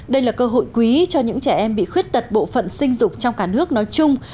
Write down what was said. đây là cơ hội quý cho những trẻ em bị khuyết tật bộ phận sinh dục trong cả nước nói chung